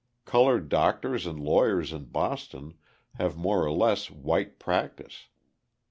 Coloured doctors and lawyers in Boston have more or less white practice.